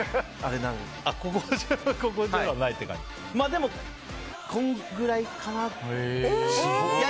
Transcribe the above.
でも、これぐらいかな。